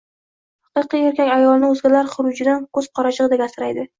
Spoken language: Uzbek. Haqiqiy erkak ayolini o‘zgalar xurujidan ko‘z qorachig‘idek saqlaydi.